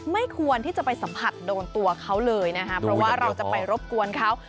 ไม่ควรที่จะไปสัมผัสโดนตัวเขาเลยนะคะเพราะว่าเราจะไปรบกวนเขา